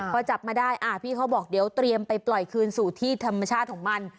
พอจับมาได้พี่เขาบอกเดี๋ยวเตรียมไปปล่อยคืนสู่ที่ธรรมชาติของมัน